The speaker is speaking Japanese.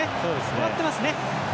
終わってますね。